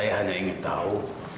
saya hanya ingin tahu